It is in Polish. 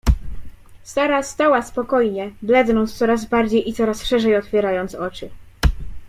Sara stała spokojnie, blednąc coraz bardziej i coraz szerzej otwierając oczy.